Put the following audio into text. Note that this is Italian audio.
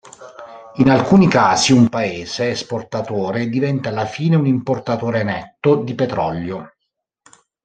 In alcuni casi, un paese esportatore diventa alla fine un importatore netto di petrolio.